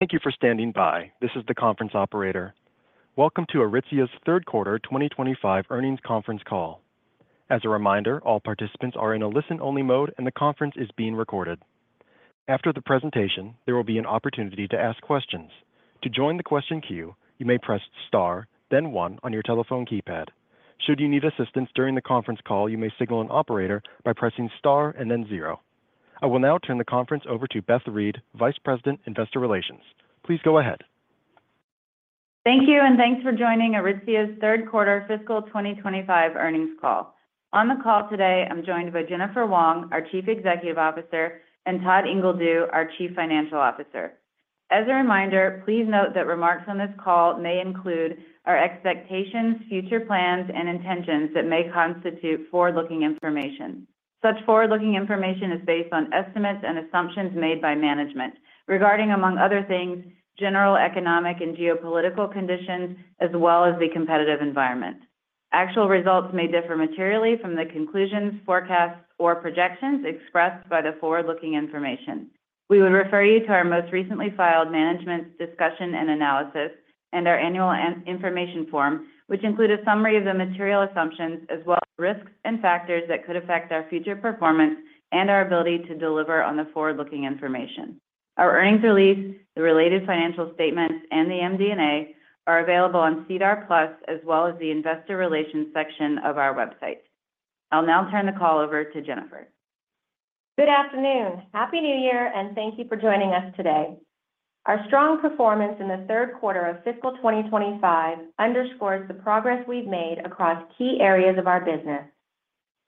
Thank you for standing by. This is the conference operator. Welcome to Aritzia's Third Quarter 2025 Earnings Conference Call. As a reminder, all participants are in a listen-only mode, and the conference is being recorded. After the presentation, there will be an opportunity to ask questions. To join the question queue, you may press star, then one on your telephone keypad. Should you need assistance during the conference call, you may signal an operator by pressing star and then zero. I will now turn the conference over to Beth Reed, Vice President, Investor Relations. Please go ahead. Thank you, and thanks for joining Aritzia's third quarter fiscal 2025 earnings call. On the call today, I'm joined by Jennifer Wong, our Chief Executive Officer, and Todd Ingledew, our Chief Financial Officer. As a reminder, please note that remarks on this call may include our expectations, future plans, and intentions that may constitute forward-looking information. Such forward-looking information is based on estimates and assumptions made by management regarding, among other things, general economic and geopolitical conditions, as well as the competitive environment. Actual results may differ materially from the conclusions, forecasts, or projections expressed by the forward-looking information. We would refer you to our most recently filed Management's Discussion and Analysis and our Annual Information Form, which includes a summary of the material assumptions, as well as risks and factors that could affect our future performance and our ability to deliver on the forward-looking information. Our earnings release, the related financial statements, and the MD&A are available on SEDAR+, as well as the Investor Relations section of our website. I'll now turn the call over to Jennifer. Good afternoon. Happy New Year, and thank you for joining us today. Our strong performance in the third quarter of fiscal 2025 underscores the progress we've made across key areas of our business.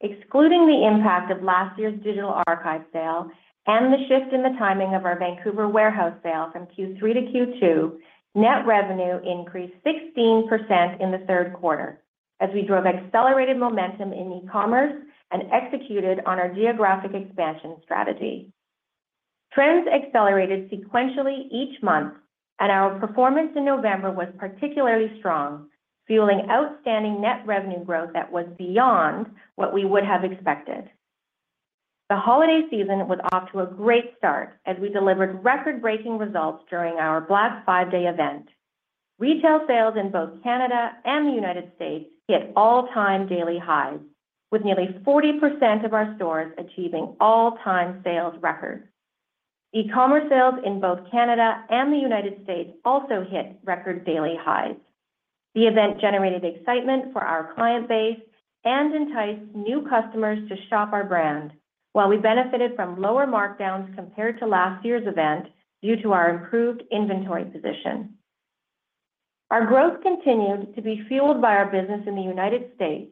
Excluding the impact of last year's Digital Archive Sale and the shift in the timing of our Vancouver warehouse sale from Q3 to Q2, net revenue increased 16% in the third quarter as we drove accelerated momentum in e-commerce and executed on our geographic expansion strategy. Trends accelerated sequentially each month, and our performance in November was particularly strong, fueling outstanding net revenue growth that was beyond what we would have expected. The holiday season was off to a great start as we delivered record-breaking results during our Black Friday event. Retail sales in both Canada and the United States hit all-time daily highs, with nearly 40% of our stores achieving all-time sales records. E-commerce sales in both Canada and the United States also hit record daily highs. The event generated excitement for our client base and enticed new customers to shop our brand, while we benefited from lower markdowns compared to last year's event due to our improved inventory position. Our growth continued to be fueled by our business in the United States,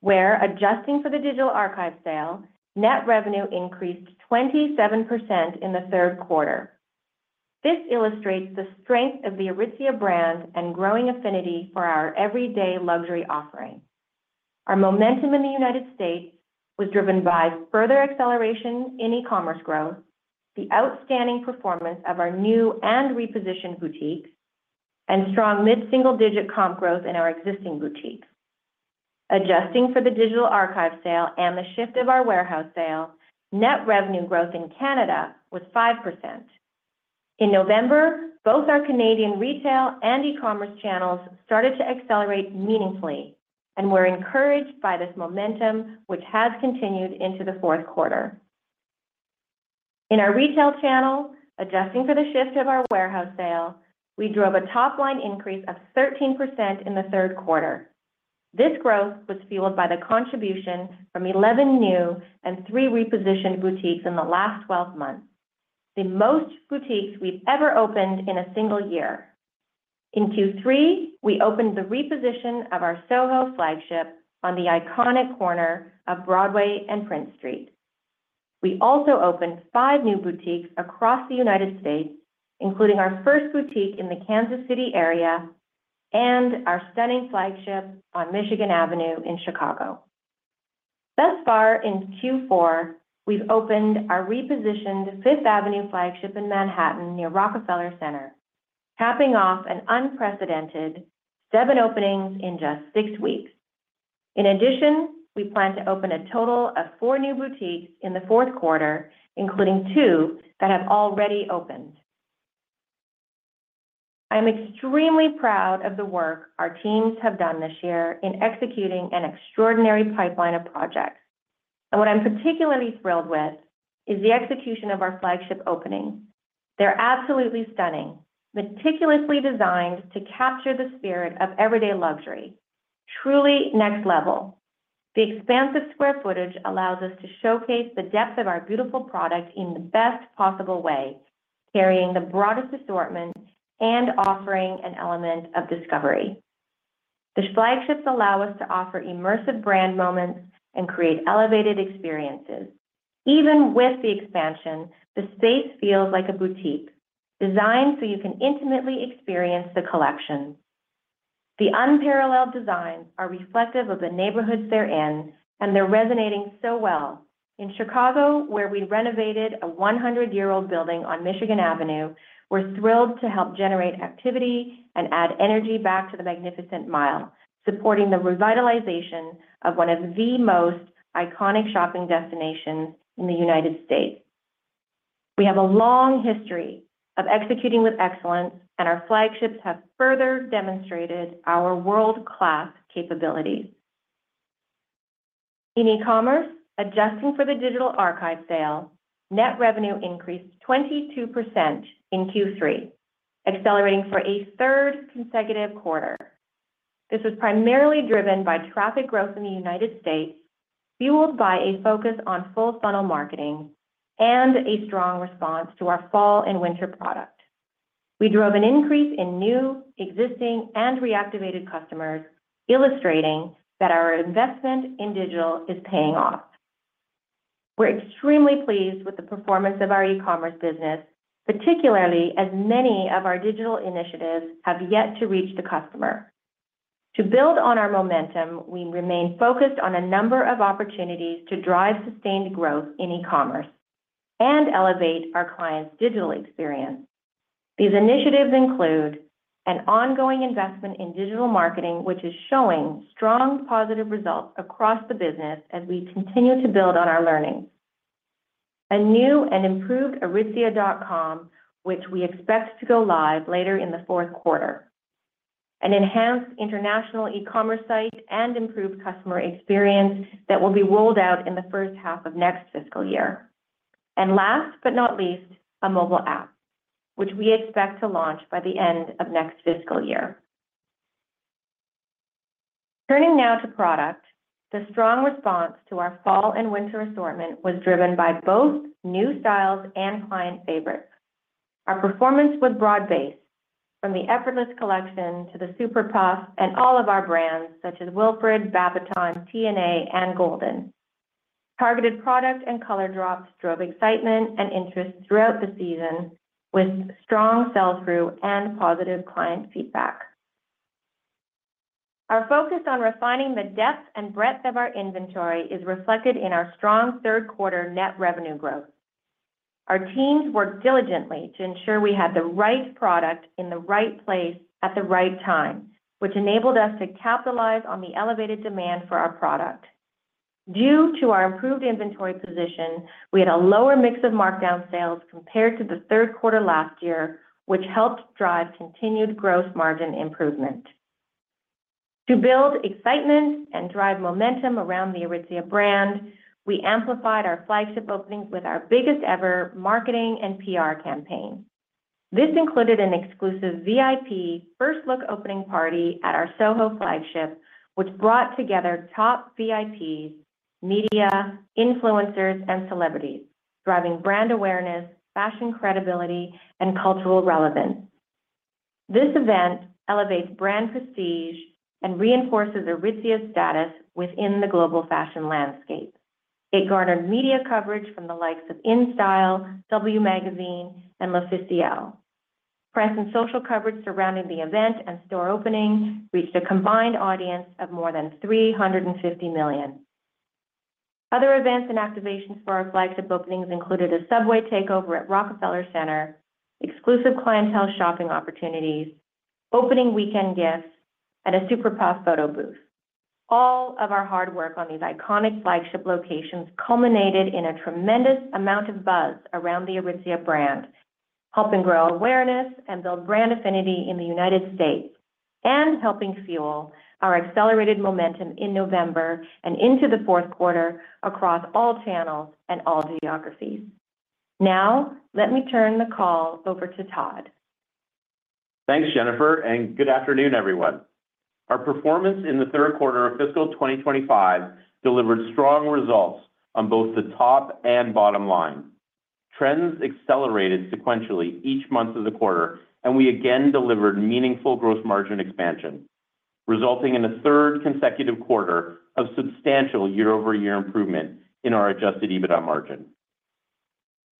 where, adjusting for the Digital Archive Sale, net revenue increased 27% in the third quarter. This illustrates the strength of the Aritzia brand and growing affinity for our Everyday Luxury offering. Our momentum in the United States was driven by further acceleration in e-commerce growth, the outstanding performance of our new and repositioned boutiques, and strong mid-single-digit comp growth in our existing boutiques. Adjusting for the Digital Archive Sale and the shift of our warehouse sale, net revenue growth in Canada was 5%. In November, both our Canadian retail and e-commerce channels started to accelerate meaningfully, and we're encouraged by this momentum, which has continued into the fourth quarter. In our retail channel, adjusting for the shift of our warehouse sale, we drove a top-line increase of 13% in the third quarter. This growth was fueled by the contribution from 11 new and three repositioned boutiques in the last 12 months, the most boutiques we've ever opened in a single year. In Q3, we opened the reposition of our SoHo flagship on the iconic corner of Broadway and Prince Street. We also opened five new boutiques across the United States, including our first boutique in the Kansas City area and our stunning flagship on Michigan Avenue in Chicago. Thus far, in Q4, we've opened our repositioned Fifth Avenue flagship in Manhattan near Rockefeller Center, capping off an unprecedented seven openings in just six weeks. In addition, we plan to open a total of four new boutiques in the fourth quarter, including two that have already opened. I'm extremely proud of the work our teams have done this year in executing an extraordinary pipeline of projects and what I'm particularly thrilled with is the execution of our flagship openings. They're absolutely stunning, meticulously designed to capture the spirit of Everyday Luxury, truly next level. The expansive square footage allows us to showcase the depth of our beautiful product in the best possible way, carrying the broadest assortment and offering an element of discovery. The flagships allow us to offer immersive brand moments and create elevated experiences. Even with the expansion, the space feels like a boutique, designed so you can intimately experience the collection. The unparalleled designs are reflective of the neighborhoods they're in, and they're resonating so well. In Chicago, where we renovated a 100-year-old building on Michigan Avenue, we're thrilled to help generate activity and add energy back to the Magnificent Mile, supporting the revitalization of one of the most iconic shopping destinations in the United States. We have a long history of executing with excellence, and our flagships have further demonstrated our world-class capabilities. In e-commerce, adjusting for the Digital Archive Sale, net revenue increased 22% in Q3, accelerating for a third consecutive quarter. This was primarily driven by traffic growth in the United States, fueled by a focus on full-funnel marketing and a strong response to our fall and winter product. We drove an increase in new, existing, and reactivated customers, illustrating that our investment in digital is paying off. We're extremely pleased with the performance of our e-commerce business, particularly as many of our digital initiatives have yet to reach the customer. To build on our momentum, we remain focused on a number of opportunities to drive sustained growth in e-commerce and elevate our clients' digital experience. These initiatives include an ongoing investment in digital marketing, which is showing strong positive results across the business as we continue to build on our learnings. A new and improved Aritzia.com, which we expect to go live later in the fourth quarter. An enhanced international e-commerce site. And improved customer experience that will be rolled out in the first half of next fiscal year. Last but not least, a mobile app, which we expect to launch by the end of next fiscal year. Turning now to product, the strong response to our fall and winter assortment was driven by both new styles and client favorites. Our performance was broad-based, from the Effortless collection to the Super Puff and all of our brands, such as Wilfred, Babaton, Tna, and Golden. Targeted product and color drops drove excitement and interest throughout the season, with strong sell-through and positive client feedback. Our focus on refining the depth and breadth of our inventory is reflected in our strong third-quarter net revenue growth. Our teams worked diligently to ensure we had the right product in the right place at the right time, which enabled us to capitalize on the elevated demand for our product. Due to our improved inventory position, we had a lower mix of markdown sales compared to the third quarter last year, which helped drive continued gross margin improvement. To build excitement and drive momentum around the Aritzia brand, we amplified our flagship openings with our biggest-ever marketing and PR campaign. This included an exclusive VIP first-look opening party at our SoHo flagship, which brought together top VIPs, media, influencers, and celebrities, driving brand awareness, fashion credibility, and cultural relevance. This event elevates brand prestige and reinforces Aritzia's status within the global fashion landscape. It garnered media coverage from the likes of InStyle, W Magazine, and L'Officiel. Press and social coverage surrounding the event and store opening reached a combined audience of more than 350 million. Other events and activations for our flagship openings included a subway takeover at Rockefeller Center, exclusive clientele shopping opportunities, opening weekend gifts, and a Super Puff photo booth. All of our hard work on these iconic flagship locations culminated in a tremendous amount of buzz around the Aritzia brand, helping grow awareness and build brand affinity in the United States, and helping fuel our accelerated momentum in November and into the fourth quarter across all channels and all geographies. Now, let me turn the call over to Todd. Thanks, Jennifer, and good afternoon, everyone. Our performance in the third quarter of fiscal 2025 delivered strong results on both the top and bottom line. Trends accelerated sequentially each month of the quarter, and we again delivered meaningful gross margin expansion, resulting in a third consecutive quarter of substantial year-over-year improvement in our adjusted EBITDA margin.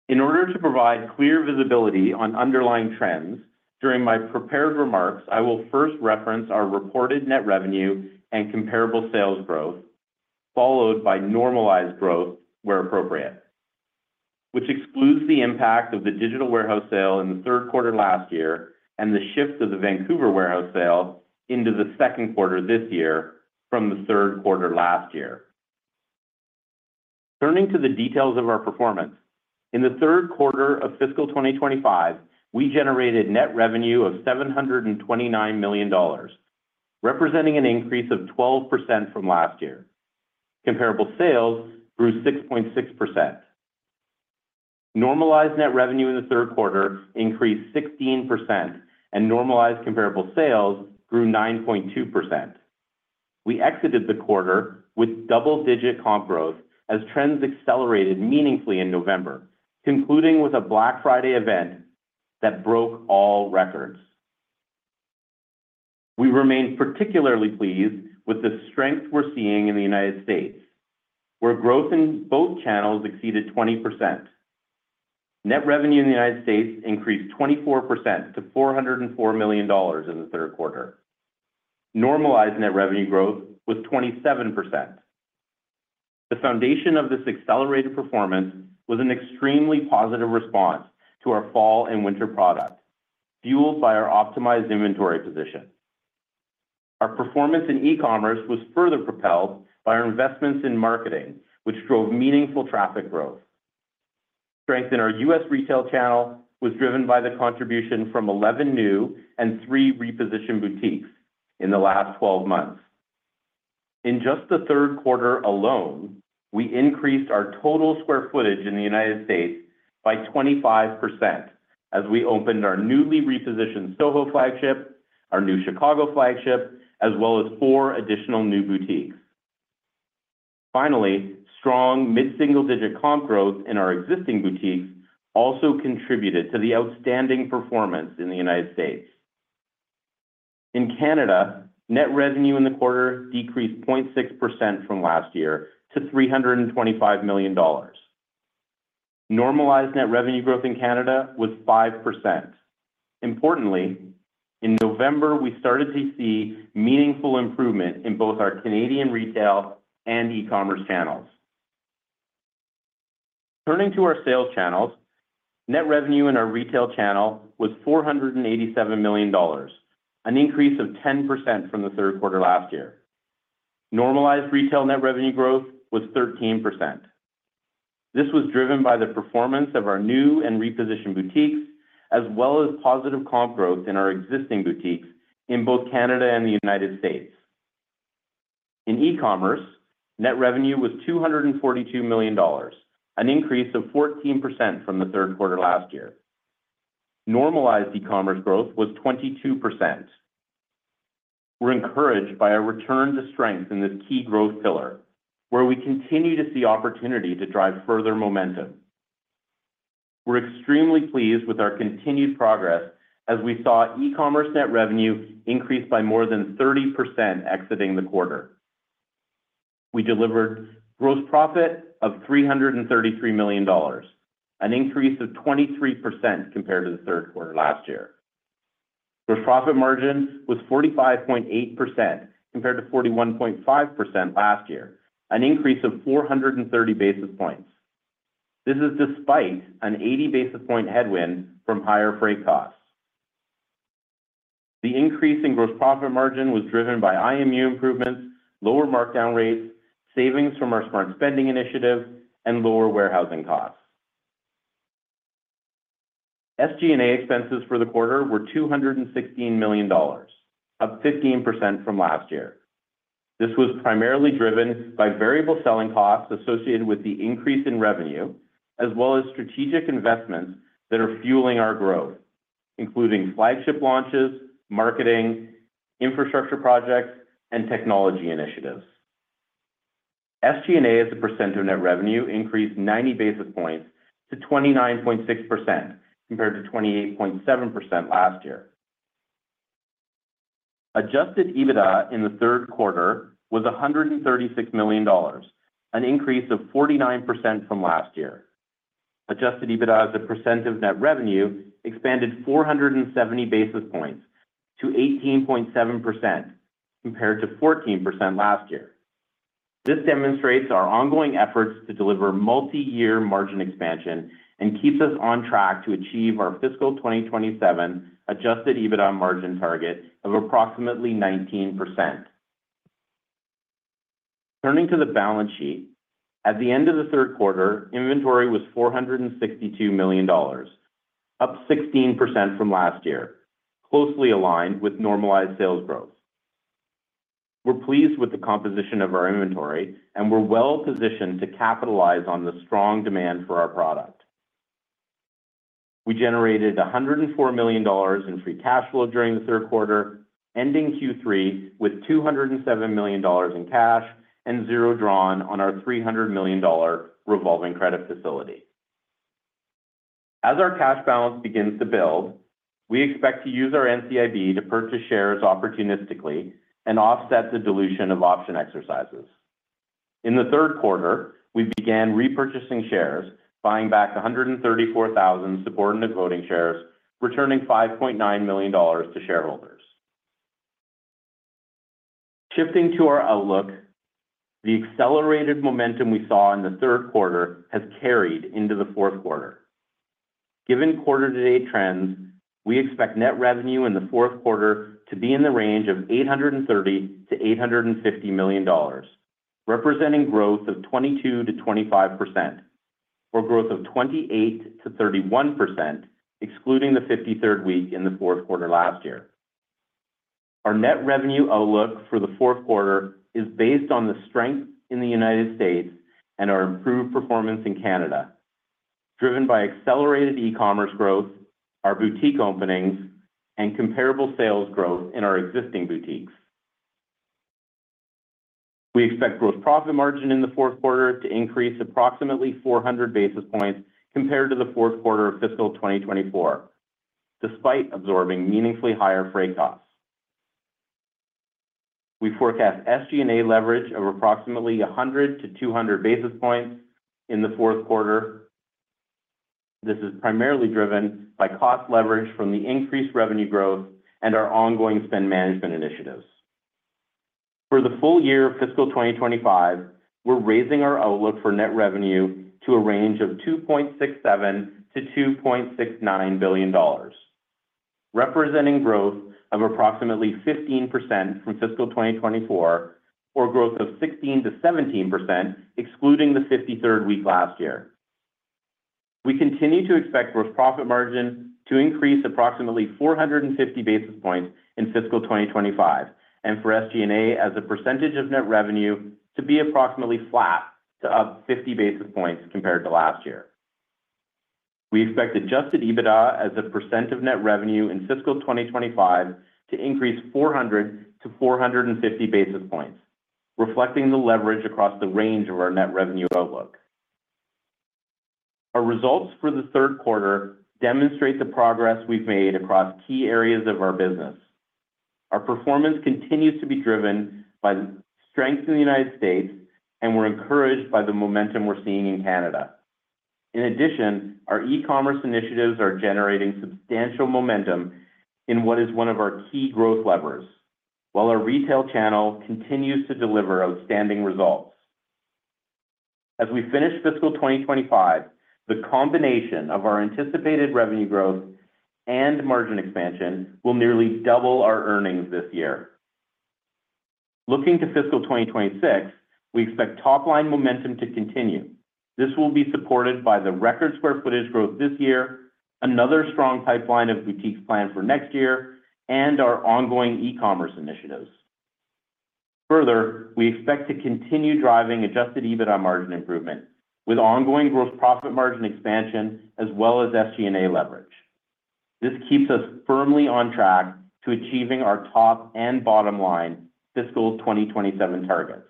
In order to provide clear visibility on underlying trends, during my prepared remarks, I will first reference our reported net revenue and comparable sales growth, followed by normalized growth where appropriate, which excludes the impact of the digital warehouse sale in the third quarter last year and the shift of the Vancouver warehouse sale into the second quarter this year from the third quarter last year. Turning to the details of our performance, in the third quarter of fiscal 2025, we generated net revenue of 729 million dollars, representing an increase of 12% from last year. Comparable sales grew 6.6%. Normalized net revenue in the third quarter increased 16%, and normalized comparable sales grew 9.2%. We exited the quarter with double-digit comp growth as trends accelerated meaningfully in November, concluding with a Black Friday event that broke all records. We remain particularly pleased with the strength we're seeing in the United States, where growth in both channels exceeded 20%. Net revenue in the United States increased 24% to 404 million dollars in the third quarter. Normalized net revenue growth was 27%. The foundation of this accelerated performance was an extremely positive response to our fall and winter product, fueled by our optimized inventory position. Our performance in e-commerce was further propelled by our investments in marketing, which drove meaningful traffic growth. Strength in our U.S. retail channel was driven by the contribution from 11 new and three repositioned boutiques in the last 12 months. In just the third quarter alone, we increased our total square footage in the United States by 25% as we opened our newly repositioned SoHo flagship, our new Chicago flagship, as well as four additional new boutiques. Finally, strong mid-single-digit comp growth in our existing boutiques also contributed to the outstanding performance in the United States. In Canada, net revenue in the quarter decreased 0.6% from last year to 325 million dollars. Normalized net revenue growth in Canada was 5%. Importantly, in November, we started to see meaningful improvement in both our Canadian retail and e-commerce channels. Turning to our sales channels, net revenue in our retail channel was 487 million dollars, an increase of 10% from the third quarter last year. Normalized retail net revenue growth was 13%. This was driven by the performance of our new and repositioned boutiques, as well as positive comp growth in our existing boutiques in both Canada and the United States. In e-commerce, net revenue was 242 million dollars, an increase of 14% from the third quarter last year. Normalized e-commerce growth was 22%. We're encouraged by our return to strength in this key growth pillar, where we continue to see opportunity to drive further momentum. We're extremely pleased with our continued progress as we saw e-commerce net revenue increase by more than 30% exiting the quarter. We delivered gross profit of 333 million dollars, an increase of 23% compared to the third quarter last year. Gross profit margin was 45.8% compared to 41.5% last year, an increase of 430 basis points. This is despite an 80 basis point headwind from higher freight costs. The increase in gross profit margin was driven by IMU improvements, lower markdown rates, savings from our Smart Spending initiative, and lower warehousing costs. SG&A expenses for the quarter were 216 million dollars, up 15% from last year. This was primarily driven by variable selling costs associated with the increase in revenue, as well as strategic investments that are fueling our growth, including flagship launches, marketing, infrastructure projects, and technology initiatives. SG&A's percent of net revenue increased 90 basis points to 29.6% compared to 28.7% last year. Adjusted EBITDA in the third quarter was 136 million dollars, an increase of 49% from last year. Adjusted EBITDA's percent of net revenue expanded 470 basis points to 18.7% compared to 14% last year. This demonstrates our ongoing efforts to deliver multi-year margin expansion and keeps us on track to achieve our fiscal 2027 Adjusted EBITDA margin target of approximately 19%. Turning to the balance sheet, at the end of the third quarter, inventory was 462 million dollars, up 16% from last year, closely aligned with normalized sales growth. We're pleased with the composition of our inventory, and we're well-positioned to capitalize on the strong demand for our product. We generated 104 million dollars in free cash flow during the third quarter, ending Q3 with 207 million dollars in cash and zero drawn on our 300 million dollar revolving credit facility. As our cash balance begins to build, we expect to use our NCIB to purchase shares opportunistically and offset the dilution of option exercises. In the third quarter, we began repurchasing shares, buying back 134,000 subordinate voting shares, returning 5.9 million dollars to shareholders. Shifting to our outlook, the accelerated momentum we saw in the third quarter has carried into the fourth quarter. Given quarter-to-date trends, we expect net revenue in the fourth quarter to be in the range of 830 million-850 million dollars, representing growth of 22%-25%, or growth of 28%-31%, excluding the 53rd week in the fourth quarter last year. Our net revenue outlook for the fourth quarter is based on the strength in the United States and our improved performance in Canada, driven by accelerated e-commerce growth, our boutique openings, and comparable sales growth in our existing boutiques. We expect gross profit margin in the fourth quarter to increase approximately 400 basis points compared to the fourth quarter of fiscal 2024, despite absorbing meaningfully higher freight costs. We forecast SG&A leverage of approximately 100 to 200 basis points in the fourth quarter. This is primarily driven by cost leverage from the increased revenue growth and our ongoing spend management initiatives. For the full year of fiscal 2025, we're raising our outlook for net revenue to a range of 2.67 billion-2.69 billion dollars, representing growth of approximately 15% from fiscal 2024, or growth of 16%-17%, excluding the 53rd week last year. We continue to expect gross profit margin to increase approximately 450 basis points in fiscal 2025, and for SG&A as a percentage of net revenue to be approximately flat to up 50 basis points compared to last year. We expect adjusted EBITDA as a percent of net revenue in fiscal 2025 to increase 400-450 basis points, reflecting the leverage across the range of our net revenue outlook. Our results for the third quarter demonstrate the progress we've made across key areas of our business. Our performance continues to be driven by strength in the United States, and we're encouraged by the momentum we're seeing in Canada. In addition, our e-commerce initiatives are generating substantial momentum in what is one of our key growth levers, while our retail channel continues to deliver outstanding results. As we finish fiscal 2025, the combination of our anticipated revenue growth and margin expansion will nearly double our earnings this year. Looking to fiscal 2026, we expect top-line momentum to continue. This will be supported by the record square footage growth this year, another strong pipeline of boutiques planned for next year, and our ongoing e-commerce initiatives. Further, we expect to continue driving Adjusted EBITDA margin improvement with ongoing gross profit margin expansion, as well as SG&A leverage. This keeps us firmly on track to achieving our top and bottom line fiscal 2027 targets.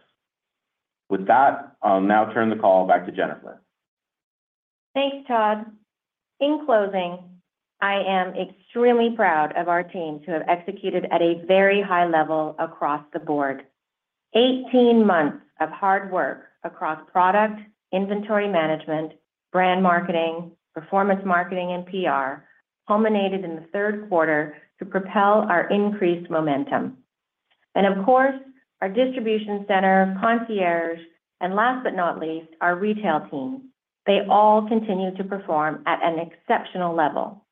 With that, I'll now turn the call back to Jennifer. Thanks, Todd. In closing, I am extremely proud of our teams who have executed at a very high level across the board. 18 months of hard work across product, inventory management, brand marketing, performance marketing, and PR culminated in the third quarter to propel our increased momentum, and of course, our distribution center, concierge, and last but not least, our retail team. They all continue to perform at an exceptional level.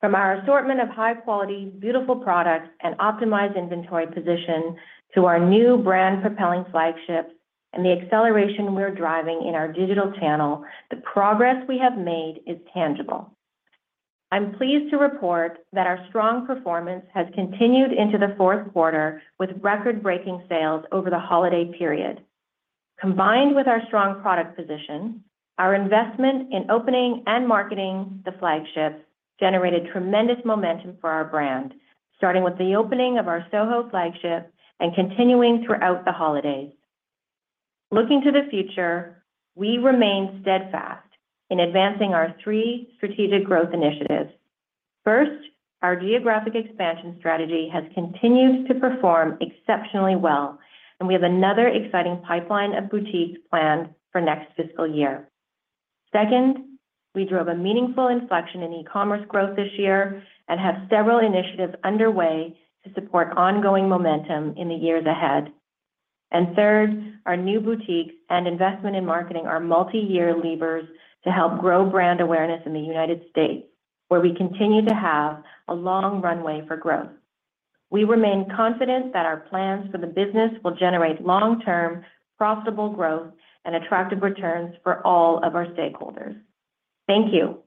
From our assortment of high-quality, beautiful products and optimized inventory position to our new brand-propelling flagships and the acceleration we're driving in our digital channel, the progress we have made is tangible. I'm pleased to report that our strong performance has continued into the fourth quarter with record-breaking sales over the holiday period. Combined with our strong product position, our investment in opening and marketing the flagships generated tremendous momentum for our brand, starting with the opening of our SoHo flagship and continuing throughout the holidays. Looking to the future, we remain steadfast in advancing our three strategic growth initiatives. First, our geographic expansion strategy has continued to perform exceptionally well, and we have another exciting pipeline of boutiques planned for next fiscal year. Second, we drove a meaningful inflection in e-commerce growth this year and have several initiatives underway to support ongoing momentum in the years ahead. And third, our new boutiques and investment in marketing are multi-year levers to help grow brand awareness in the United States, where we continue to have a long runway for growth. We remain confident that our plans for the business will generate long-term profitable growth and attractive returns for all of our stakeholders. Thank you.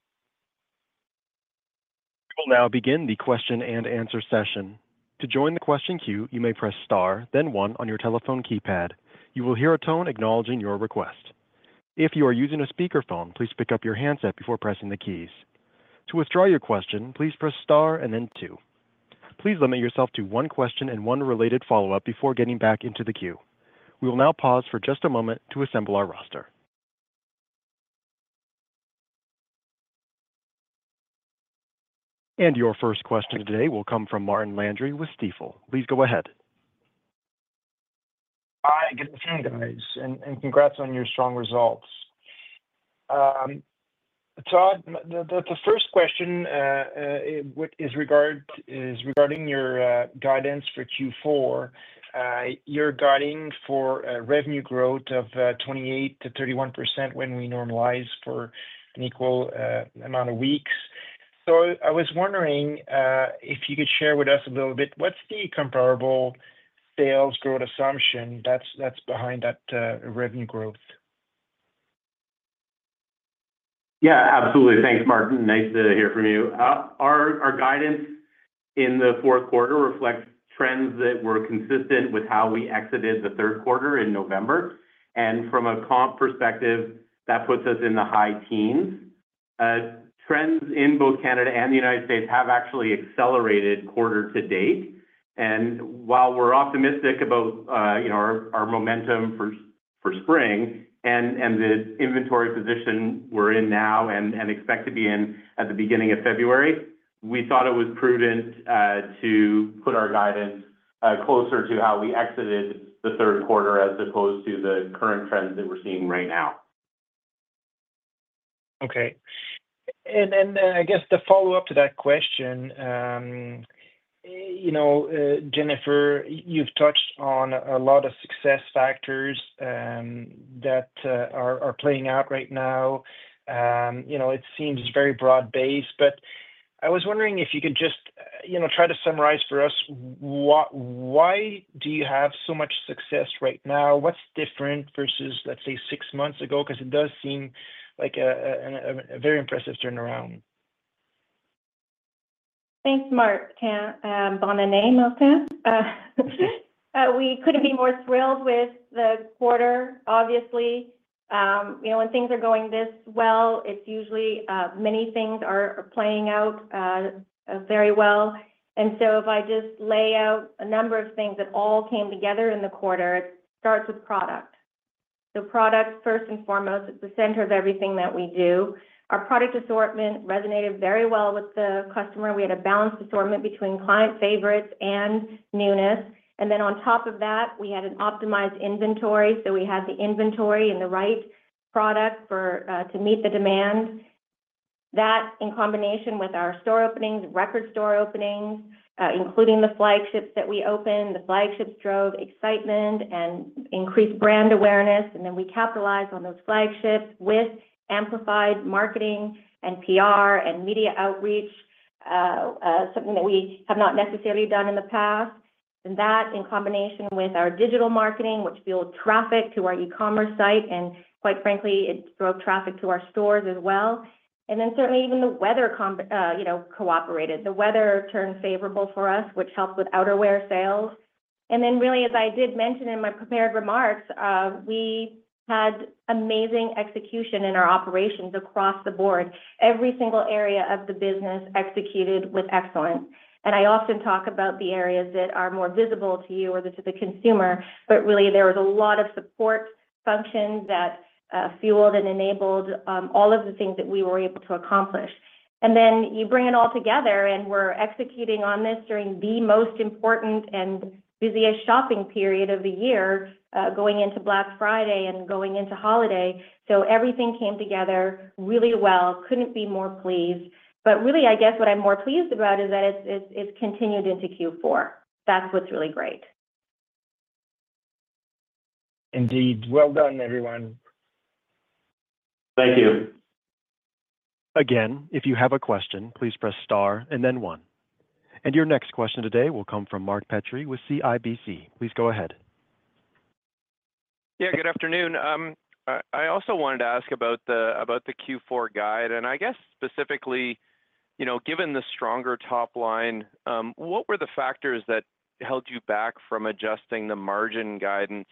We'll now begin the question and answer session. To join the question queue, you may press star, then one on your telephone keypad. You will hear a tone acknowledging your request. If you are using a speakerphone, please pick up your handset before pressing the keys. To withdraw your question, please press star and then two. Please limit yourself to one question and one related follow-up before getting back into the queue. We will now pause for just a moment to assemble our roster. Your first question today will come from Martin Landry with Stifel. Please go ahead. Hi. Good afternoon, guys. And congrats on your strong results. Todd, the first question is regarding your guidance for Q4. You're guiding for revenue growth of 28%-31% when we normalize for an equal amount of weeks. So I was wondering if you could share with us a little bit what's the comparable sales growth assumption that's behind that revenue growth? Yeah, absolutely. Thanks, Martin. Nice to hear from you. Our guidance in the fourth quarter reflects trends that were consistent with how we exited the third quarter in November, and from a comp perspective, that puts us in the high teens. Trends in both Canada and the United States have actually accelerated quarter-to-date, and while we're optimistic about our momentum for spring and the inventory position we're in now and expect to be in at the beginning of February, we thought it was prudent to put our guidance closer to how we exited the third quarter as opposed to the current trends that we're seeing right now. Okay, and I guess the follow-up to that question, Jennifer. You've touched on a lot of success factors that are playing out right now. It seems very broad-based, but I was wondering if you could just try to summarize for us why do you have so much success right now? What's different versus, let's say, six months ago? Because it does seem like a very impressive turnaround. Thanks, Martin. Bonne année, Martin. We couldn't be more thrilled with the quarter, obviously. When things are going this well, it's usually many things are playing out very well, and so if I just lay out a number of things that all came together in the quarter, it starts with product, so product, first and foremost, is the center of everything that we do. Our product assortment resonated very well with the customer. We had a balanced assortment between client favorites and newness, and then on top of that, we had an optimized inventory, so we had the inventory and the right product to meet the demand. That, in combination with our store openings, record store openings, including the flagships that we opened. The flagships drove excitement and increased brand awareness. And then we capitalized on those flagships with amplified marketing and PR and media outreach, something that we have not necessarily done in the past. And that, in combination with our digital marketing, which fueled traffic to our e-commerce site, and quite frankly, it drove traffic to our stores as well. And then certainly, even the weather cooperated. The weather turned favorable for us, which helped with outerwear sales. And then really, as I did mention in my prepared remarks, we had amazing execution in our operations across the board. Every single area of the business executed with excellence. And I often talk about the areas that are more visible to you or to the consumer, but really, there was a lot of support functions that fueled and enabled all of the things that we were able to accomplish. Then you bring it all together, and we're executing on this during the most important and busiest shopping period of the year, going into Black Friday and going into holiday. Everything came together really well. Couldn't be more pleased. Really, I guess what I'm more pleased about is that it's continued into Q4. That's what's really great. Indeed. Well done, everyone. Thank you. Again, if you have a question, please press star and then one. And your next question today will come from Mark Petrie with CIBC. Please go ahead. Yeah, good afternoon. I also wanted to ask about the Q4 guide, and I guess specifically, given the stronger top line, what were the factors that held you back from adjusting the margin guidance,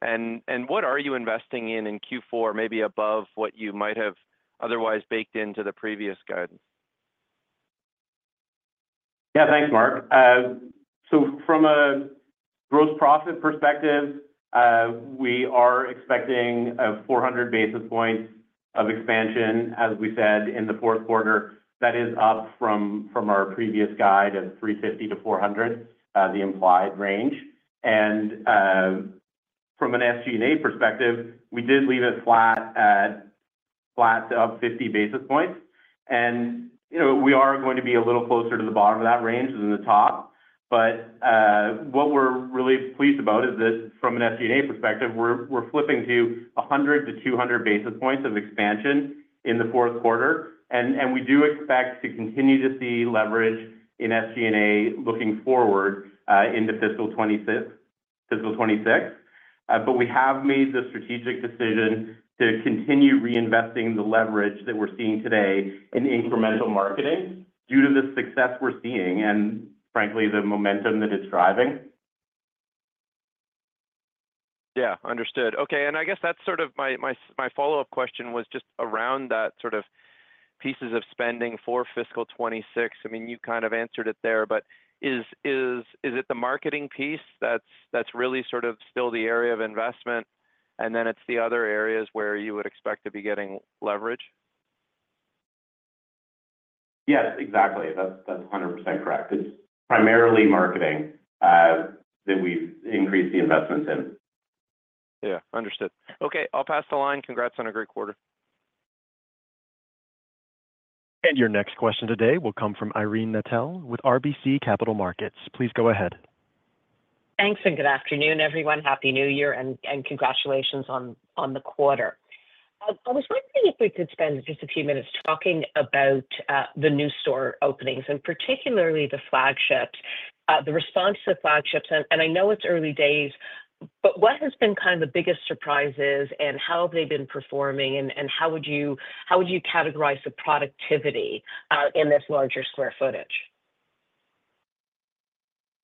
and what are you investing in in Q4, maybe above what you might have otherwise baked into the previous guidance? Yeah, thanks, Mark. So from a gross profit perspective, we are expecting 400 basis points of expansion, as we said, in the fourth quarter. That is up from our previous guide of 350 basis points-400 basis points, the implied range. And from an SG&A perspective, we did leave it flat to up 50 basis points. And we are going to be a little closer to the bottom of that range than the top. But what we're really pleased about is that from an SG&A perspective, we're flipping to 100 basis points-200 basis points of expansion in the fourth quarter. And we do expect to continue to see leverage in SG&A looking forward into fiscal 2026. But we have made the strategic decision to continue reinvesting the leverage that we're seeing today in incremental marketing due to the success we're seeing and, frankly, the momentum that it's driving. Yeah, understood. Okay. And I guess that's sort of my follow-up question was just around that sort of pieces of spending for fiscal 2026. I mean, you kind of answered it there, but is it the marketing piece that's really sort of still the area of investment, and then it's the other areas where you would expect to be getting leverage? Yes, exactly. That's 100% correct. It's primarily marketing that we've increased the investments in. Yeah, understood. Okay. I'll pass the line. Congrats on a great quarter. Your next question today will come from Irene Nattel with RBC Capital Markets. Please go ahead. Thanks and good afternoon, everyone. Happy New Year and congratulations on the quarter. I was wondering if we could spend just a few minutes talking about the new store openings, and particularly the flagships, the response to the flagships. And I know it's early days, but what has been kind of the biggest surprises, and how have they been performing, and how would you categorize the productivity in this larger square footage?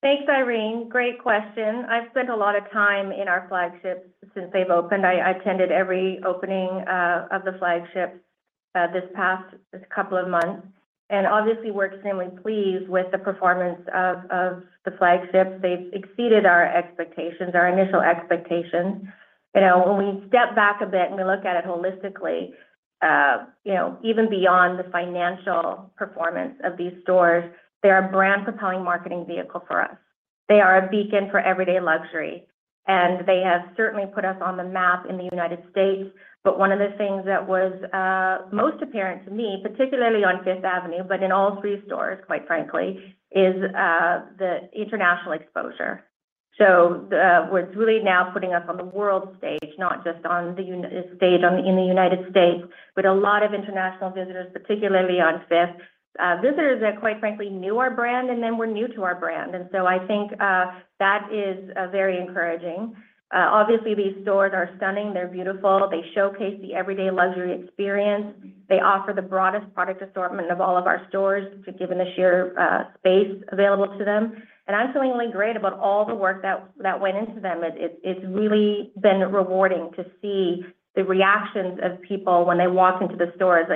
Thanks, Irene. Great question. I've spent a lot of time in our flagships since they've opened. I attended every opening of the flagships this past couple of months and obviously we're extremely pleased with the performance of the flagships. They've exceeded our expectations, our initial expectations. When we step back a bit and we look at it holistically, even beyond the financial performance of these stores, they are a brand-propelling marketing vehicle for us. They are a beacon for Everyday Luxury. And they have certainly put us on the map in the United States. But one of the things that was most apparent to me, particularly on Fifth Avenue, but in all three stores, quite frankly, is the international exposure. So we're really now putting us on the world stage, not just on the stage in the United States, but a lot of international visitors, particularly on Fifth. Visitors that, quite frankly, knew our brand and then were new to our brand. And so I think that is very encouraging. Obviously, these stores are stunning. They're beautiful. They showcase the everyday luxury experience. They offer the broadest product assortment of all of our stores given the sheer space available to them. And I'm feeling really great about all the work that went into them. It's really been rewarding to see the reactions of people when they walk into the stores.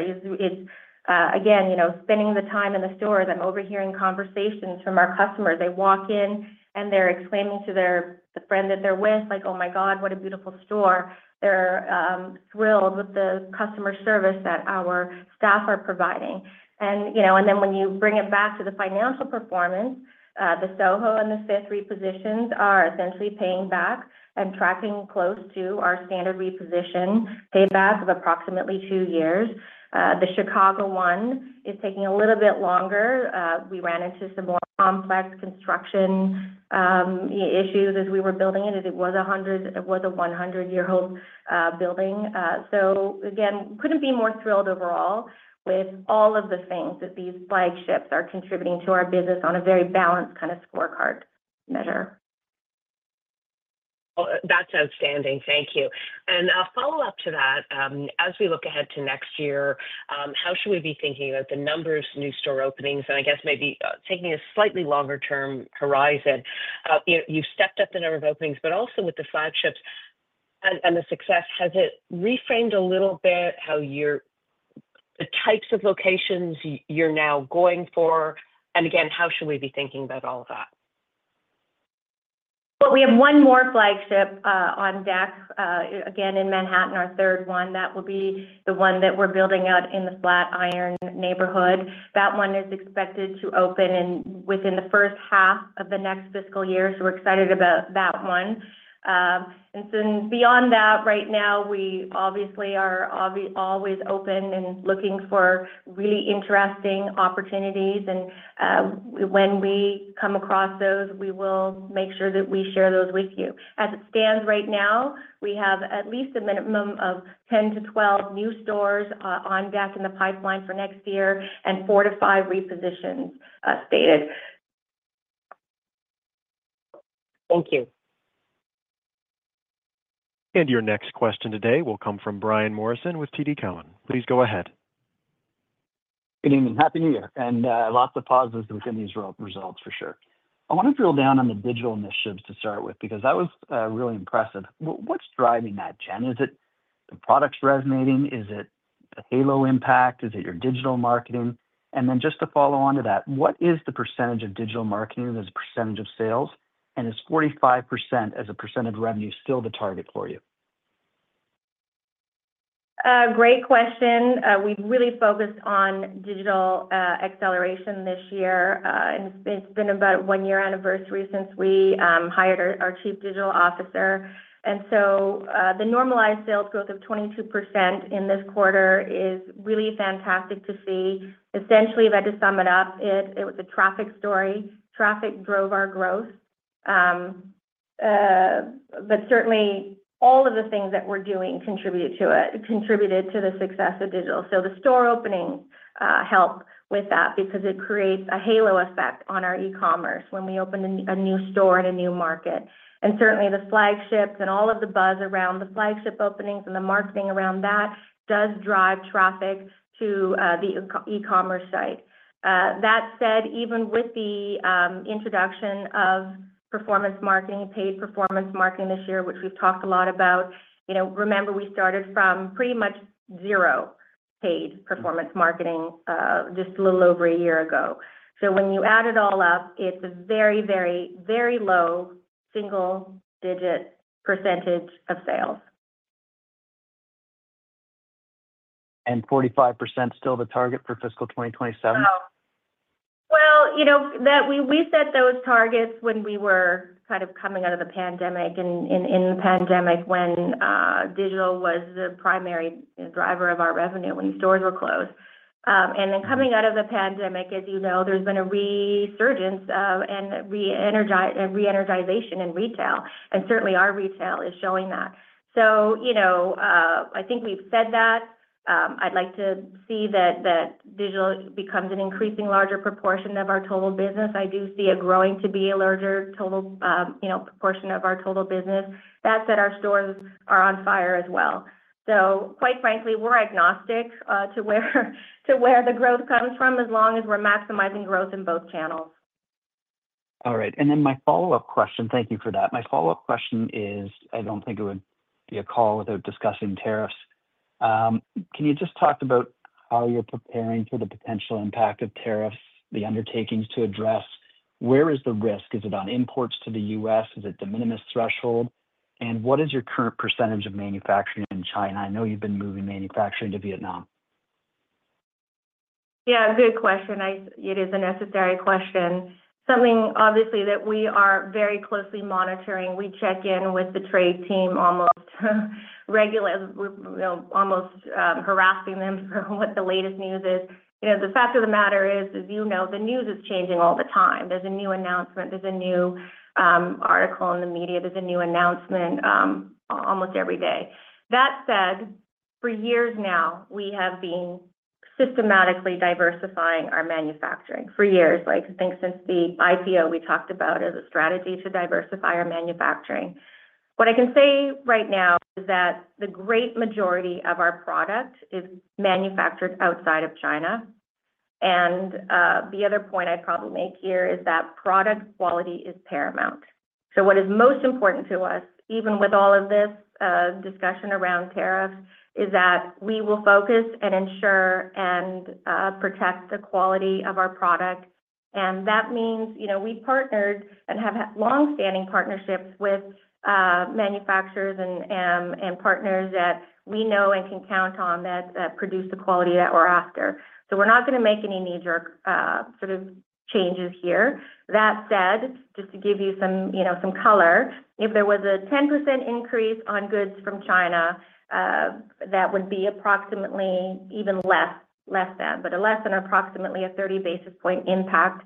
Again, spending the time in the stores, I'm overhearing conversations from our customers. They walk in and they're exclaiming to the friend that they're with, like, "Oh my God, what a beautiful store." They're thrilled with the customer service that our staff are providing. And then when you bring it back to the financial performance, the SoHo and the Fifth repositions are essentially paying back and tracking close to our standard reposition payback of approximately two years. The Chicago one is taking a little bit longer. We ran into some more complex construction issues as we were building it. It was a 100-year-old building. So again, couldn't be more thrilled overall with all of the things that these flagships are contributing to our business on a very balanced kind of scorecard measure. That's outstanding. Thank you. A follow-up to that, as we look ahead to next year, how should we be thinking about the numbers, new store openings, and I guess maybe taking a slightly longer-term horizon? You've stepped up the number of openings, but also with the flagships and the success, has it reframed a little bit how the types of locations you're now going for? Again, how should we be thinking about all of that? We have one more flagship on deck, again, in Manhattan, our third one. That will be the one that we're building out in the Flatiron neighborhood. That one is expected to open within the first half of the next fiscal year. We're excited about that one. Beyond that, right now, we obviously are always open and looking for really interesting opportunities. When we come across those, we will make sure that we share those with you. As it stands right now, we have at least a minimum of 10-12 new stores on deck in the pipeline for next year and four to five repositions slated. Thank you. Your next question today will come from Brian Morrison with TD Cowen. Please go ahead. Good evening. Happy New Year. And lots of applause within these results, for sure. I want to drill down on the digital initiatives to start with because that was really impressive. What's driving that, Jen? Is it the products resonating? Is it the halo impact? Is it your digital marketing? And then just to follow on to that, what is the percentage of digital marketing as a percentage of sales? And is 45% as a percent of revenue still the target for you? Great question. We've really focused on digital acceleration this year. It's been about a one-year anniversary since we hired our chief digital officer. And so the normalized sales growth of 22% in this quarter is really fantastic to see. Essentially, if I had to sum it up, it was a traffic story. Traffic drove our growth. But certainly, all of the things that we're doing contributed to the success of digital. So the store openings help with that because it creates a halo effect on our e-commerce when we open a new store in a new market. And certainly, the flagships and all of the buzz around the flagship openings and the marketing around that does drive traffic to the e-commerce site. That said, even with the introduction of performance marketing, paid performance marketing this year, which we've talked a lot about, remember, we started from pretty much zero paid performance marketing just a little over a year ago. So when you add it all up, it's a very, very, very low single-digit percentage of sales. 45% still the target for fiscal 2027? We set those targets when we were kind of coming out of the pandemic and in the pandemic when digital was the primary driver of our revenue when stores were closed. Then coming out of the pandemic, as you know, there's been a resurgence and reenergization in retail. Certainly, our retail is showing that. I think we've said that. I'd like to see that digital becomes an increasing larger proportion of our total business. I do see it growing to be a larger total proportion of our total business. That said, our stores are on fire as well. Quite frankly, we're agnostic to where the growth comes from as long as we're maximizing growth in both channels. All right. And then my follow-up question, thank you for that, my follow-up question is, I don't think it would be a call without discussing tariffs. Can you just talk about how you're preparing for the potential impact of tariffs, the undertakings to address? Where is the risk? Is it on imports to the U.S.? Is it the de minimis threshold? And what is your current percentage of manufacturing in China? I know you've been moving manufacturing to Vietnam. Yeah, good question. It is a necessary question. Something, obviously, that we are very closely monitoring. We check in with the trade team almost regularly, almost harassing them for what the latest news is. The fact of the matter is, as you know, the news is changing all the time. There's a new announcement. There's a new article in the media. There's a new announcement almost every day. That said, for years now, we have been systematically diversifying our manufacturing for years. I think since the IPO we talked about as a strategy to diversify our manufacturing. What I can say right now is that the great majority of our product is manufactured outside of China, and the other point I'd probably make here is that product quality is paramount. What is most important to us, even with all of this discussion around tariffs, is that we will focus and ensure and protect the quality of our product. That means we partnered and have long-standing partnerships with manufacturers and partners that we know and can count on that produce the quality that we're after. We're not going to make any knee-jerk sort of changes here. That said, just to give you some color, if there was a 10% increase on goods from China, that would be approximately less than a 30 basis points impact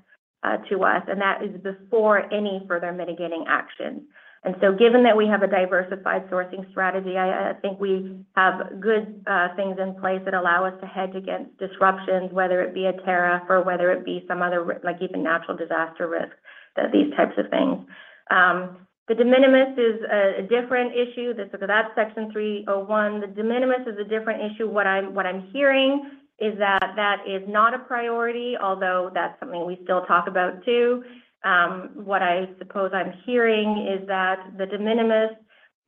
to us. That is before any further mitigating actions. And so given that we have a diversified sourcing strategy, I think we have good things in place that allow us to hedge against disruptions, whether it be a tariff or whether it be some other even natural disaster risk, these types of things. The de minimis is a different issue. That's Section 301. The de minimis is a different issue. What I'm hearing is that that is not a priority, although that's something we still talk about too. What I suppose I'm hearing is that the de minimis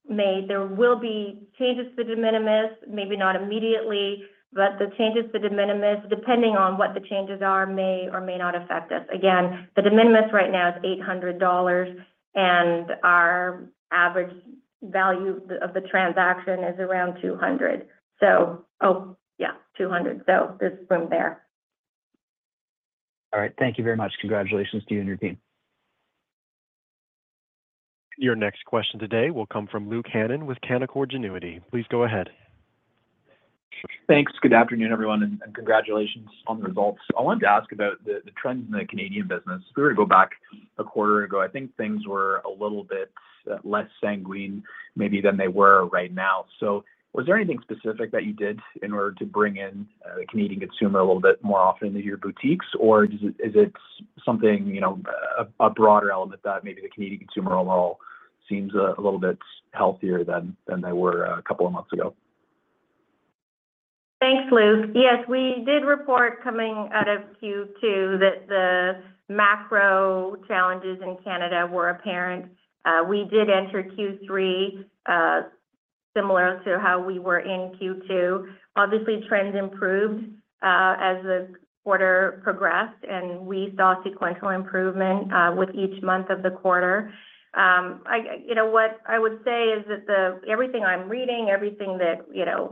may. There will be changes to the de minimis, maybe not immediately, but the changes to the de minimis, depending on what the changes are, may or may not affect us. Again, the de minimis right now is 800 dollars, and our average value of the transaction is around 200. So oh, yeah, 200. So there's room there. All right. Thank you very much. Congratulations to you and your team. Your next question today will come from Luke Hannan with Canaccord Genuity. Please go ahead. Thanks. Good afternoon, everyone, and congratulations on the results. I wanted to ask about the trends in the Canadian business. If we were to go back a quarter ago, I think things were a little bit less sanguine maybe than they were right now. So was there anything specific that you did in order to bring in the Canadian consumer a little bit more often into your boutiques, or is it something, a broader element that maybe the Canadian consumer overall seems a little bit healthier than they were a couple of months ago? Thanks, Luke. Yes, we did report coming out of Q2 that the macro challenges in Canada were apparent. We did enter Q3 similar to how we were in Q2. Obviously, trends improved as the quarter progressed, and we saw sequential improvement with each month of the quarter. What I would say is that everything I'm reading, everything that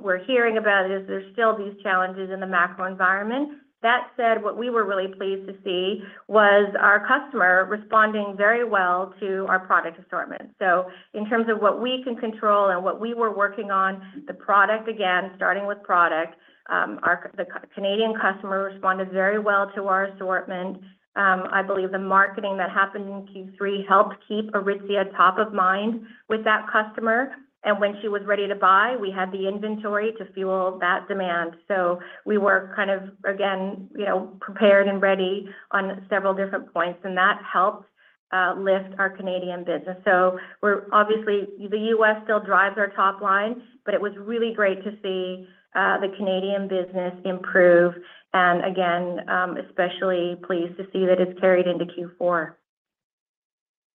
we're hearing about is there's still these challenges in the macro environment. That said, what we were really pleased to see was our customer responding very well to our product assortment. So in terms of what we can control and what we were working on, the product, again, starting with product, the Canadian customer responded very well to our assortment. I believe the marketing that happened in Q3 helped keep Aritzia top of mind with that customer. And when she was ready to buy, we had the inventory to fuel that demand. So we were kind of, again, prepared and ready on several different points, and that helped lift our Canadian business. So obviously, the U.S. still drives our top line, but it was really great to see the Canadian business improve. And again, especially pleased to see that it's carried into Q4.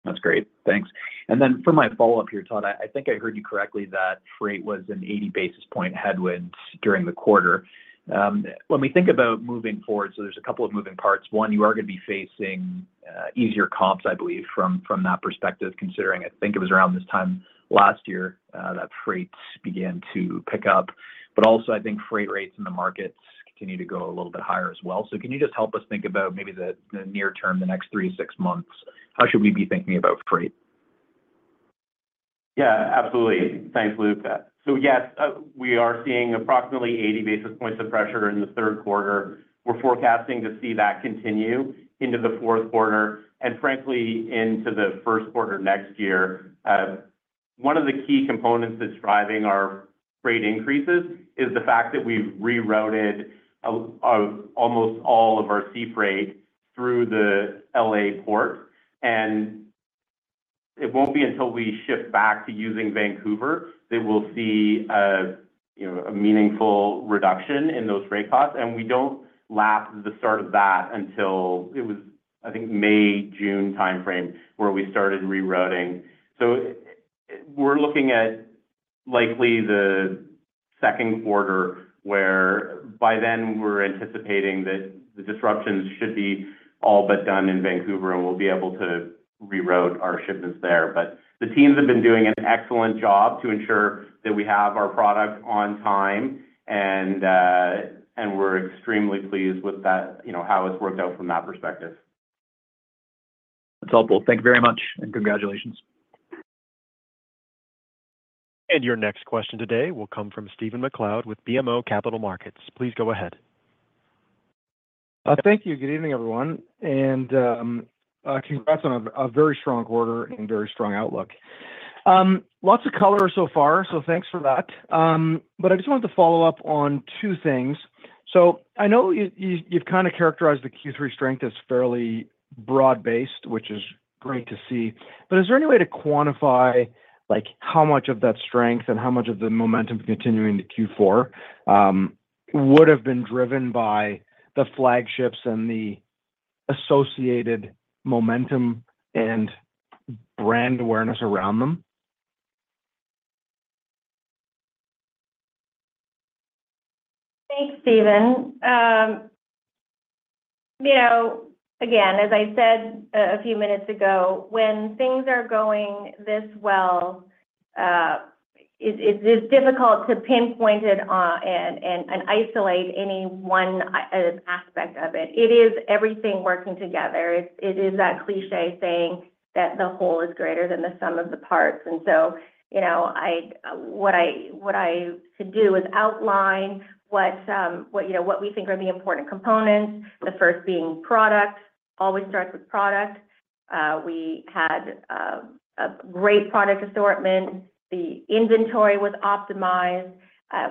That's great. Thanks. And then for my follow-up here, Todd, I think I heard you correctly that freight was an 80 basis points headwind during the quarter. When we think about moving forward, so there's a couple of moving parts. One, you are going to be facing easier comps, I believe, from that perspective, considering I think it was around this time last year that freight began to pick up. But also, I think freight rates in the markets continue to go a little bit higher as well. So can you just help us think about maybe the near term, the next three to six months? How should we be thinking about freight? Yeah, absolutely. Thanks, Luke. So yes, we are seeing approximately 80 basis points of pressure in the third quarter. We're forecasting to see that continue into the fourth quarter and, frankly, into the first quarter next year. One of the key components that's driving our freight increases is the fact that we've rerouted almost all of our sea freight through the L.A. port. And it won't be until we shift back to using Vancouver that we'll see a meaningful reduction in those freight costs. And we don't lap the start of that until it was, I think, May, June timeframe where we started rerouting. So we're looking at likely the second quarter where by then we're anticipating that the disruptions should be all but done in Vancouver, and we'll be able to reroute our shipments there. But the teams have been doing an excellent job to ensure that we have our product on time, and we're extremely pleased with how it's worked out from that perspective. That's helpful. Thank you very much, and congratulations. Your next question today will come from Stephen MacLeod with BMO Capital Markets. Please go ahead. Thank you. Good evening, everyone, and congrats on a very strong quarter and very strong outlook. Lots of color so far, so thanks for that, but I just wanted to follow up on two things, so I know you've kind of characterized the Q3 strength as fairly broad-based, which is great to see, but is there any way to quantify how much of that strength and how much of the momentum continuing to Q4 would have been driven by the flagships and the associated momentum and brand awareness around them? Thanks, Stephen. Again, as I said a few minutes ago, when things are going this well, it's difficult to pinpoint it and isolate any one aspect of it. It is everything working together. It is that cliché saying that the whole is greater than the sum of the parts. And so what I could do is outline what we think are the important components, the first being product. Always start with product. We had a great product assortment. The inventory was optimized.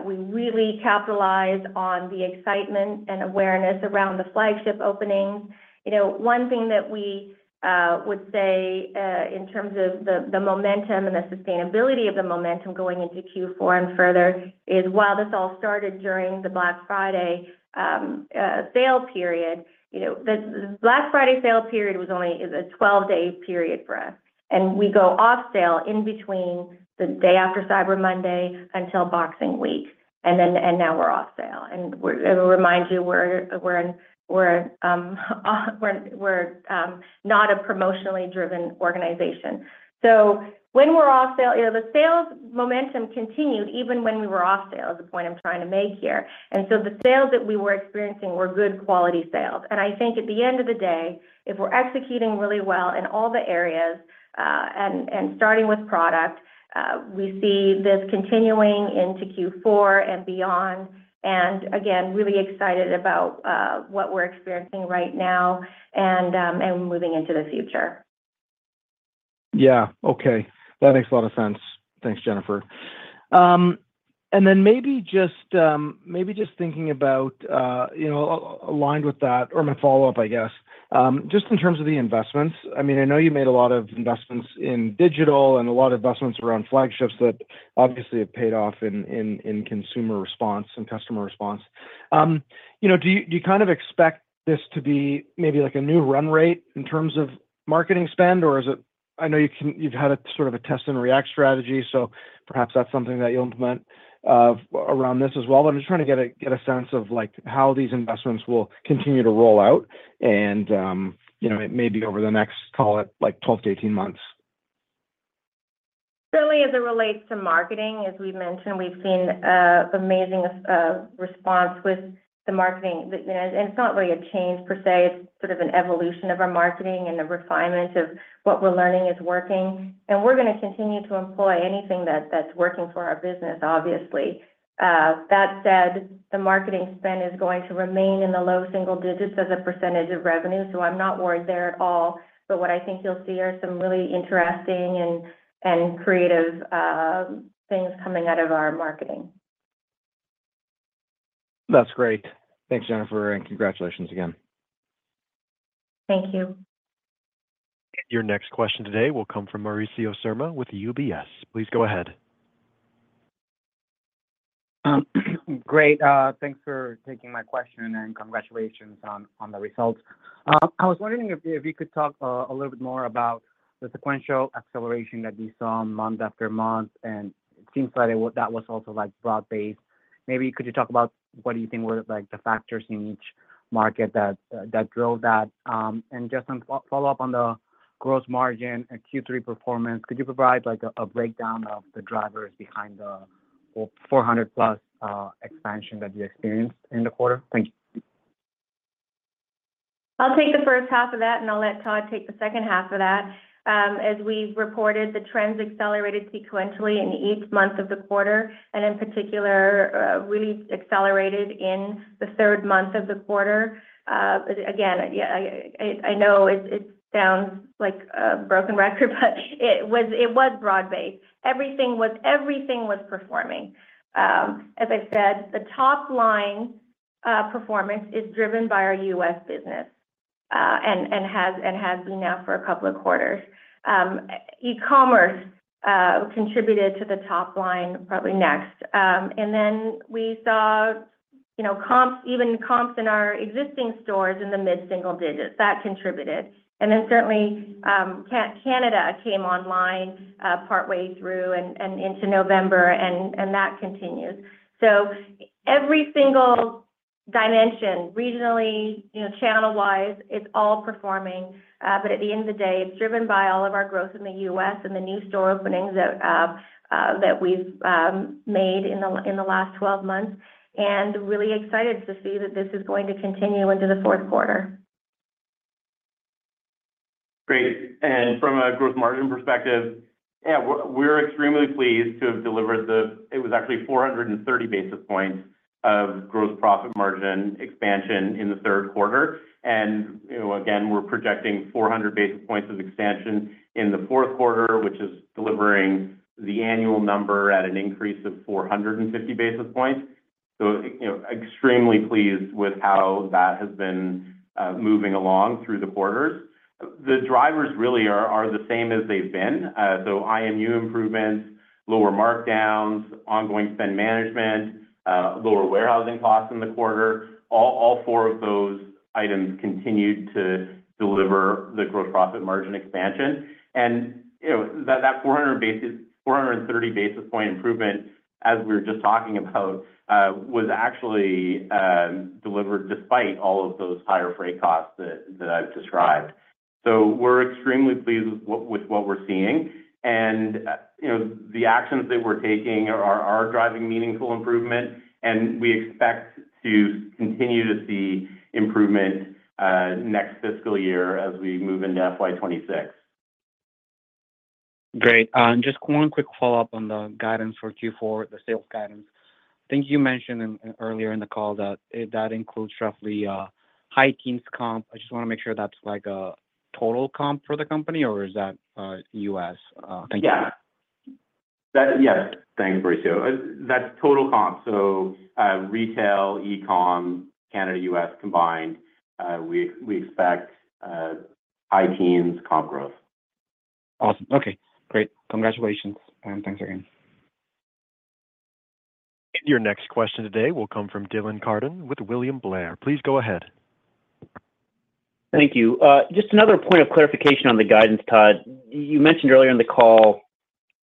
We really capitalized on the excitement and awareness around the flagship openings. One thing that we would say in terms of the momentum and the sustainability of the momentum going into Q4 and further is while this all started during the Black Friday sale period, the Black Friday sale period was only a 12-day period for us. And we go off sale in between the day after Cyber Monday until Boxing Week. And now we're off sale. And I will remind you, we're not a promotionally driven organization. So when we're off sale, the sales momentum continued even when we were off sale, is the point I'm trying to make here. And so the sales that we were experiencing were good quality sales. And I think at the end of the day, if we're executing really well in all the areas, starting with product, we see this continuing into Q4 and beyond. And again, really excited about what we're experiencing right now and moving into the future. Yeah. Okay. That makes a lot of sense. Thanks, Jennifer. And then maybe just thinking about aligned with that or my follow-up, I guess, just in terms of the investments. I mean, I know you made a lot of investments in digital and a lot of investments around flagships that obviously have paid off in consumer response and customer response. Do you kind of expect this to be maybe a new run rate in terms of marketing spend, or is it? I know you've had a sort of a test and react strategy, so perhaps that's something that you'll implement around this as well. But I'm just trying to get a sense of how these investments will continue to roll out and maybe over the next, call it, 12-18 months. Certainly, as it relates to marketing, as we've mentioned, we've seen amazing response with the marketing, and it's not really a change per se. It's sort of an evolution of our marketing and the refinement of what we're learning is working, and we're going to continue to employ anything that's working for our business, obviously. That said, the marketing spend is going to remain in the low single digits as a percentage of revenue, so I'm not worried there at all, but what I think you'll see are some really interesting and creative things coming out of our marketing. That's great. Thanks, Jennifer, and congratulations again. Thank you. Your next question today will come from Mauricio Serna with UBS. Please go ahead. Great. Thanks for taking my question and congratulations on the results. I was wondering if you could talk a little bit more about the sequential acceleration that we saw month after month. And it seems like that was also broad-based. Maybe could you talk about what do you think were the factors in each market that drove that? And just to follow up on the gross margin and Q3 performance, could you provide a breakdown of the drivers behind the 400-plus expansion that you experienced in the quarter? Thank you. I'll take the first half of that, and I'll let Todd take the second half of that. As we reported, the trends accelerated sequentially in each month of the quarter, and in particular, really accelerated in the third month of the quarter. Again, I know it sounds like a broken record, but it was broad-based. Everything was performing. As I said, the top-line performance is driven by our U.S. business and has been now for a couple of quarters. E-commerce contributed to the top line, probably next. And then we saw even comps in our existing stores in the mid-single digits. That contributed. And then certainly, Canada came online partway through and into November, and that continues. So every single dimension, regionally, channel-wise, it's all performing. But at the end of the day, it's driven by all of our growth in the U.S. and the new store openings that we've made in the last 12 months. And really excited to see that this is going to continue into the fourth quarter. Great. And from a gross margin perspective, yeah, we're extremely pleased to have delivered the. It was actually 430 basis points of gross profit margin expansion in the third quarter. And again, we're projecting 400 basis points of expansion in the fourth quarter, which is delivering the annual number at an increase of 450 basis points. So extremely pleased with how that has been moving along through the quarters. The drivers really are the same as they've been. So IMU improvements, lower markdowns, ongoing spend management, lower warehousing costs in the quarter. All four of those items continued to deliver the gross profit margin expansion. And that 430 basis point improvement, as we were just talking about, was actually delivered despite all of those higher freight costs that I've described. So we're extremely pleased with what we're seeing. The actions that we're taking are driving meaningful improvement, and we expect to continue to see improvement next fiscal year as we move into FY 2026. Great. Just one quick follow-up on the guidance for Q4, the sales guidance. I think you mentioned earlier in the call that that includes roughly high single-digit comp. I just want to make sure that's a total comp for the company, or is that U.S.? Thank you. Yeah. Yes. Thanks, Mauricio. That's total comp, so retail, e-com, Canada, U.S. combined. We expect high single-digit comp growth. Awesome. Okay. Great. Congratulations, and thanks again. And your next question today will come from Dylan Carden with William Blair. Please go ahead. Thank you. Just another point of clarification on the guidance, Todd. You mentioned earlier in the call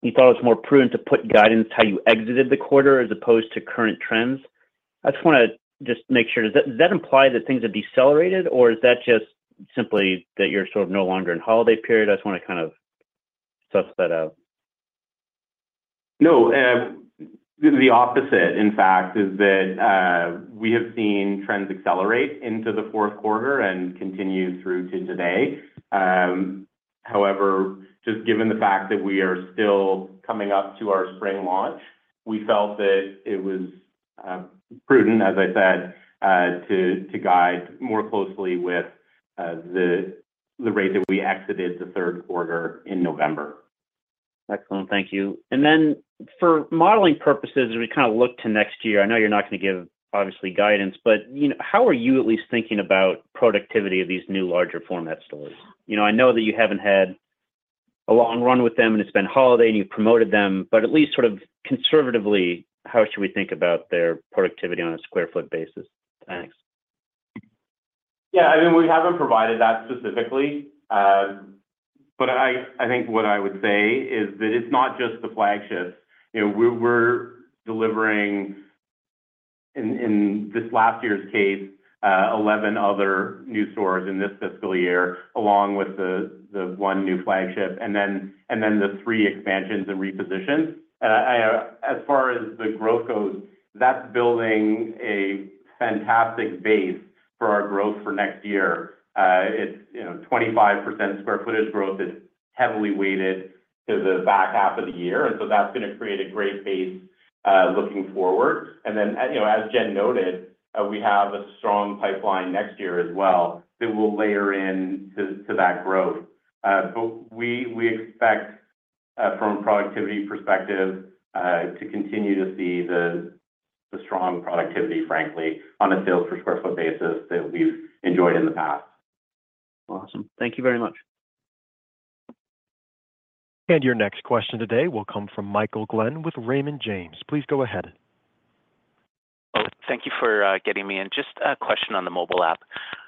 you thought it was more prudent to put guidance how you exited the quarter as opposed to current trends. I just want to make sure. Does that imply that things have decelerated, or is that just simply that you're sort of no longer in holiday period? I just want to kind of suss that out. No. The opposite, in fact, is that we have seen trends accelerate into the fourth quarter and continue through to today. However, just given the fact that we are still coming up to our spring launch, we felt that it was prudent, as I said, to guide more closely with the rate that we exited the third quarter in November. Excellent. Thank you. And then for modeling purposes, as we kind of look to next year, I know you're not going to give, obviously, guidance, but how are you at least thinking about productivity of these new larger format stores? I know that you haven't had a long run with them, and it's been holiday, and you've promoted them. But at least sort of conservatively, how should we think about their productivity on a square foot basis? Thanks. Yeah. I mean, we haven't provided that specifically. But I think what I would say is that it's not just the flagships. We're delivering, in this last year's case, 11 other new stores in this fiscal year, along with the one new flagship, and then the three expansions and repositions. As far as the growth goes, that's building a fantastic base for our growth for next year. It's 25% square footage growth. It's heavily weighted to the back half of the year. And so that's going to create a great base looking forward. And then, as Jen noted, we have a strong pipeline next year as well that will layer into that growth. But we expect, from a productivity perspective, to continue to see the strong productivity, frankly, on a sales per square foot basis that we've enjoyed in the past. Awesome. Thank you very much. And your next question today will come from Michael Glen with Raymond James. Please go ahead. Thank you for getting me in. Just a question on the mobile app.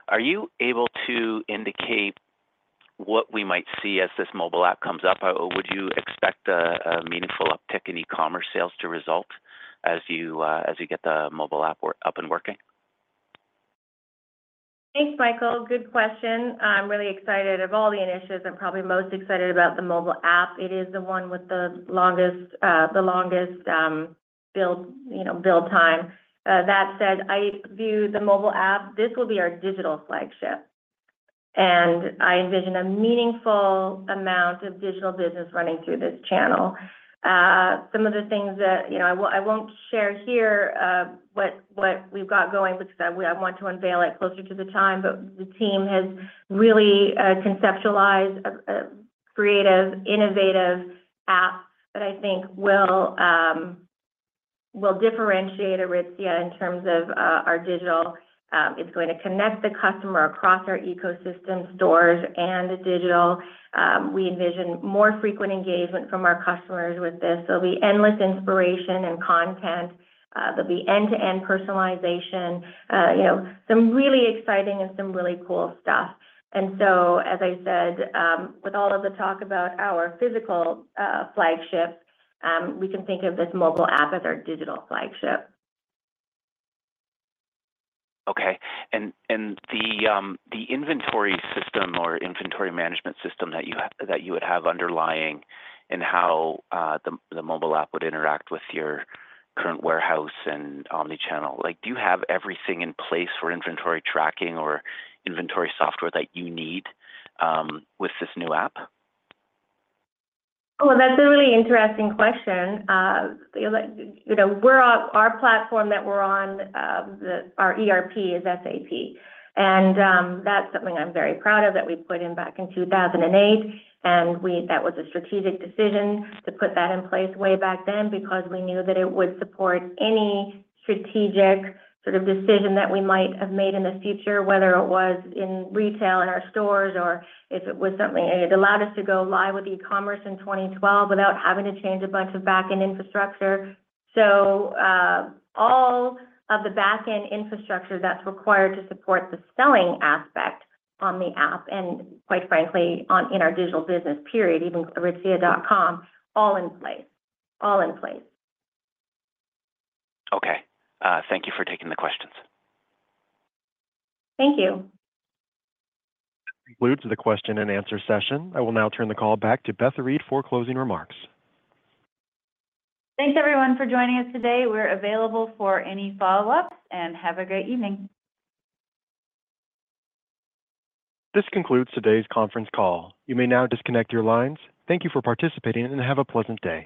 Are you able to indicate what we might see as this mobile app comes up? Would you expect a meaningful uptick in e-commerce sales to result as you get the mobile app up and working? Thanks, Michael. Good question. I'm really excited of all the initiatives and probably most excited about the mobile app. It is the one with the longest build time. That said, I view the mobile app. This will be our digital flagship. I envision a meaningful amount of digital business running through this channel. Some of the things that I won't share here, what we've got going, because I want to unveil it closer to the time. But the team has really conceptualized a creative, innovative app that I think will differentiate Aritzia in terms of our digital. It's going to connect the customer across our ecosystem, stores, and digital. We envision more frequent engagement from our customers with this. There'll be endless inspiration and content. There'll be end-to-end personalization, some really exciting and some really cool stuff. As I said, with all of the talk about our physical flagship, we can think of this mobile app as our digital flagship. Okay. And the inventory system or inventory management system that you would have underlying in how the mobile app would interact with your current warehouse and omnichannel, do you have everything in place for inventory tracking or inventory software that you need with this new app? Oh, that's a really interesting question. Our platform that we're on, our ERP, is SAP. And that's something I'm very proud of that we put in back in 2008. And that was a strategic decision to put that in place way back then because we knew that it would support any strategic sort of decision that we might have made in the future, whether it was in retail in our stores or if it was something it allowed us to go live with e-commerce in 2012 without having to change a bunch of back-end infrastructure. So all of the back-end infrastructure that's required to support the selling aspect on the app and, quite frankly, in our digital business, period, even Aritzia.com, all in place. All in place. Okay. Thank you for taking the questions. Thank you. That concludes the question and answer session. I will now turn the call back to Beth Reed for closing remarks. Thanks, everyone, for joining us today. We're available for any follow-ups, and have a great evening. This concludes today's conference call. You may now disconnect your lines. Thank you for participating, and have a pleasant day.